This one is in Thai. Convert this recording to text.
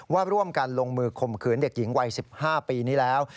ว่าร่วมกันลงมือข่มขืนเด็กหญิงวัย๑๕ปีนี้แล้ว